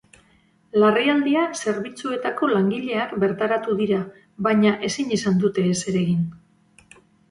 Larrialdia zerbitzuetako langileak bertaratu dira, baina ezin izan dute ezer egin.